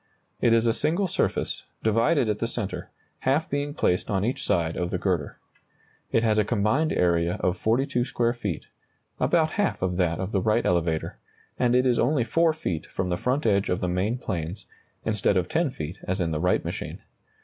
It is a single surface, divided at the centre, half being placed on each side of the girder. It has a combined area of 42 square feet, about half of that of the Wright elevator, and it is only 4 feet from the front edge of the main planes, instead of 10 feet as in the Wright machine.